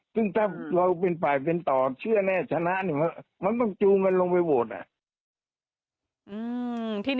ซึ่งถ้าเราเป็นฝ่ายเป็นต่อเชื่อแน่ชนะมันต้องจูงมันลงไปโหวตอ่ะ